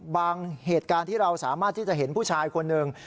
เหตุการณ์ที่เราสามารถที่จะเห็นผู้ชายคนหนึ่ง